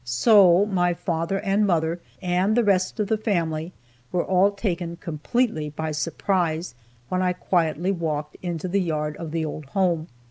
So my father and mother, and the rest of the family, were all taken completely by surprise when I quietly walked into the yard of the old home.